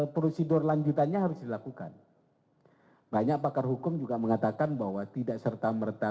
prosedur lanjutannya harus dilakukan banyak pakar hukum juga mengatakan bahwa tidak serta merta